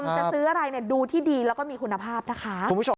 จะซื้ออะไรดูที่ดีแล้วก็มีคุณภาพนะคะ